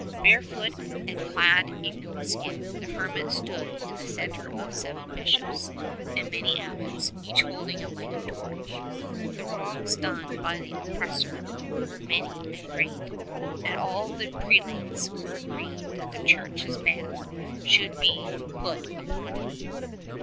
Barefoot and clad in goat skin the hermit stood in the centre of seven Bishops and many abbots, each holding a lighted torch. The wrongs done by the oppressor were many and great, and all the prelates were agreed that the Church's ban should be put upon him.